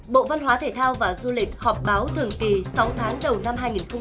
bộ văn hóa thể thao và du lịch họp báo thường kỳ sáu tháng đầu năm hai nghìn hai mươi